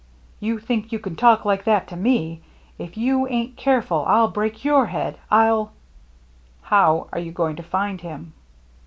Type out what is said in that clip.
" You think you can talk like that to me ? If you ain't careful, I'll break your head. I'll —"" How are you going to find him